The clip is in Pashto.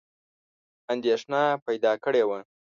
اندېښنه پیدا کړې وه.